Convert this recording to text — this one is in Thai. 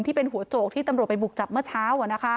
ที่เป็นหัวโจกที่ตำรวจไปบุกจับเมื่อเช้า